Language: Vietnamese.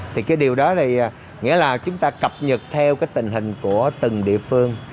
thì cái điều đó thì nghĩa là chúng ta cập nhật theo cái tình hình của từng địa phương